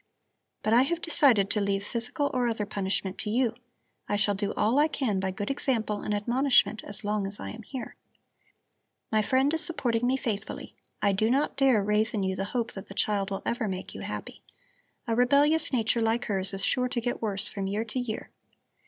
But I have decided to leave physical or other punishment to you. I shall do all I can by good example and admonishment as long as I am here. My friend is supporting me faithfully. I do not dare raise in you the hope that the child will ever make you happy. A rebellious nature like hers is sure to get worse from year to year.